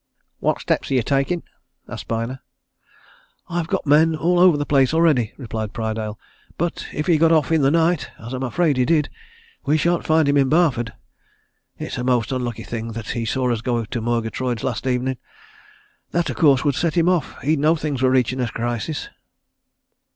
"What steps are you taking?" asked Byner. "I've got men all over the place already," replied Prydale. "But if he got off in the night, as I'm afraid he did, we shan't find him in Barford. It's a most unlucky thing that he saw us go to Murgatroyd's last evening! That, of course, would set him off: he'd know things were reaching a crisis."